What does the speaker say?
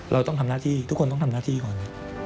เราต้องทำหน้าที่ทุกคนต้องทำหน้าที่ก่อน